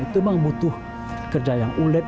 itu memang butuh kerja yang ulet